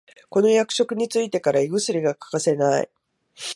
この役職についてから胃薬が欠かせない